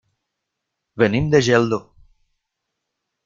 Venim de Geldo.